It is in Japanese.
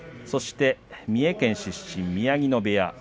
そして三重県出身宮城野部屋